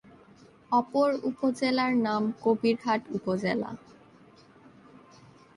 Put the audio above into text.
অপর উপজেলার নাম কবিরহাট উপজেলা।